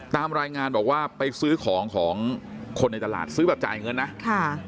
ตามรายงานบอกว่าไปซื้อของของคนในตลาดซื้อแบบจ่ายเงินนะค่ะ